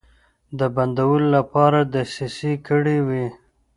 د بندولو لپاره دسیسې کړې وې.